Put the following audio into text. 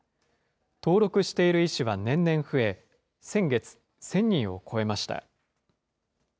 登録している医師は年々増え、先月、１０００人を超えました。